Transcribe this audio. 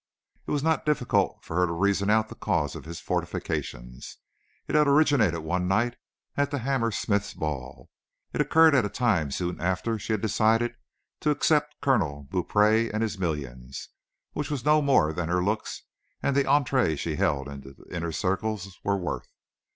It was not difficult for her to reason out the cause of his fortifications. It had originated one night at the Hammersmiths' ball. It occurred at a time soon after she had decided to accept Colonel Beaupree and his million, which was no more than her looks and the entrée she held to the inner circles were worth.